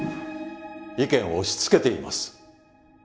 意見を押しつけています！